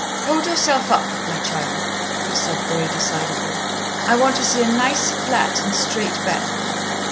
"Hold yourself up, my child," he said very decidedly. "I want to see a nice flat, and straight back."